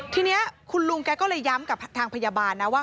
ทีนี้คุณลุงแกก็เลยย้ำกับทางพยาบาลนะว่า